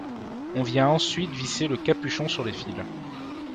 On vient ensuite visser le capuchon sur les fils.